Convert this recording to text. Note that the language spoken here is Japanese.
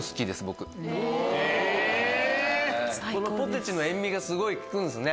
ポテチの塩味がすごい効くんですね。